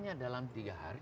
nah dalam tiga hari